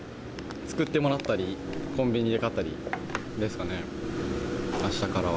作ってもらったり、コンビニで買ったりですかね、あしたからは。